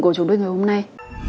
của chúng tôi ngày hôm nay